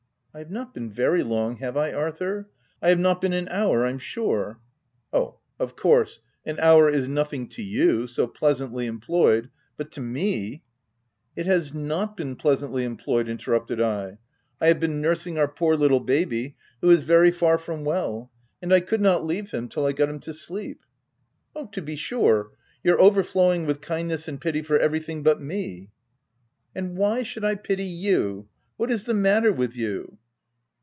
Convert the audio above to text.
" I have not been very long, have I, Arthur? I have not been an hour, I'm sure." " Oh, of course, an hour is nothing to you, so pleasantly employed ; but to me —"" It has not been pleasantly employed," interrupted 1. u I have been nursing our poor little baby, who is very far from well, and I could not leave him till I got him to sleep." " Oh to be sure, you're overflowing with kindness and pity for everything but me." u And why should I pity you? what is the matter with you